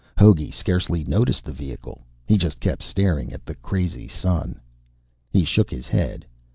Hogey scarcely noticed the vehicle. He just kept staring at the crazy sun. He shook his head.